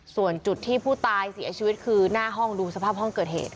ส่วนจุดที่ผู้ตายเสียชีวิตคือหน้าห้องดูสภาพห้องเกิดเหตุ